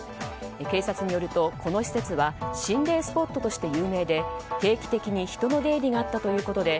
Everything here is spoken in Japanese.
警察によると、この施設は心霊スポットとして有名で定期的に人の出入りがあったということで